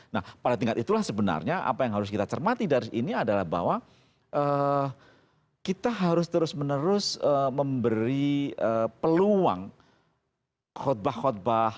nah pada tingkat itulah sebenarnya apa yang harus kita cermati dari ini adalah bahwa kita harus terus menerus memberi peluang khutbah khutbah